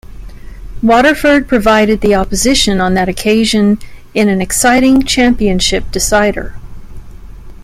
Waterford provided the opposition on that occasion in an exciting championship decider.